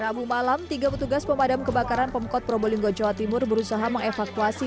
rabu malam tiga petugas pemadam kebakaran pemkot probolinggo jawa timur berusaha mengevakuasi